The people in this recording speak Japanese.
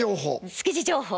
築地情報。